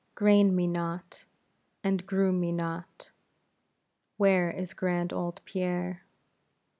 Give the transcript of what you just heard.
Grain me not, and groom me not; Where is grand old Pierre?"